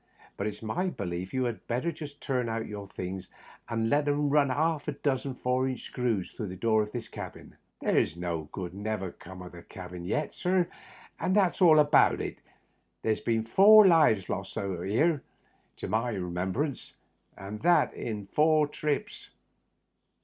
"But it's my belief you had better just turn out your things and Digitized by VjOOQIC THE UPPER BERTH. 43 let 'em mn half a dozen four inch screws through the door of this cabin. There's no good never came o' this cabin yet, sir, and that's all about it. There's been four lives lost out o' here to my own remem brance, and that in four trips.